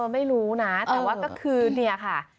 ไปรู้นะแต่ว่า